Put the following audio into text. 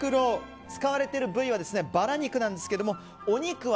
使われている部位はバラ肉なんですがお肉は